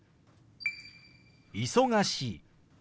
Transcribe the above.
「忙しい」。